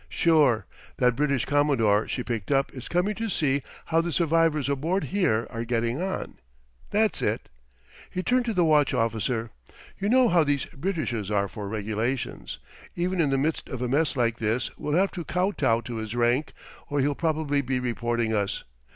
"Sure. That British commodore she picked up is coming to see how the survivors aboard here are getting on. That's it" he turned to the watch officer "you know how these Britishers are for regulations. Even in the midst of a mess like this we'll have to kotow to his rank or he'll probably be reporting us.